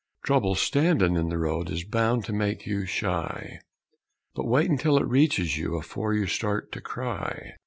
Trouble standin' in the road is bound to make you shy But wait until it reaches you afore you start to cry!